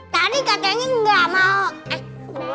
tadi katanya gak mau